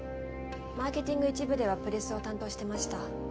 マーケティング１部ではプレスを担当してました。